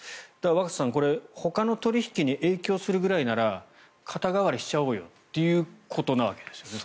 若狭さんほかの取引に影響するくらいなら肩代わりしちゃおうよということのわけですね。